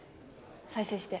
再生して。